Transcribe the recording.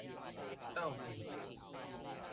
鬥陣